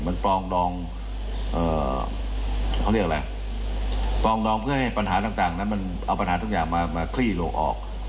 มันปรองดองเขาเรียกอะไรปลองดองเพื่อให้ปัญหาต่างนั้นมันเอาปัญหาทุกอย่างมาคลี่โลกออก